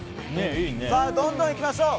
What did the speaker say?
どんどん行きましょう。